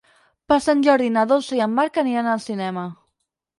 Per Sant Jordi na Dolça i en Marc aniran al cinema.